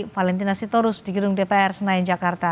valentina sitorus di gedung dpr senayan jakarta